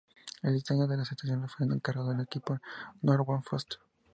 El diseño de las estaciones fue encargado al equipo de Norman Foster.